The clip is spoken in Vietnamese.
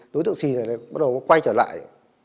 đối tượng sì bắt đầu quay trở lại